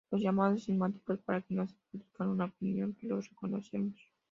Los llamamos cismáticos, para que no se produzca una opinión que los reconocemos.